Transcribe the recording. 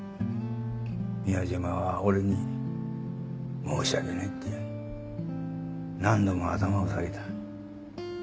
宮島は俺に申し訳ないって何度も頭を下げた。